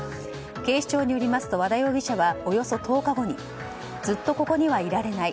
警視庁によりますと和田容疑者は、およそ１０日後にずっとここにはいられない。